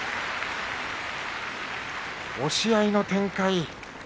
押し合いの展開。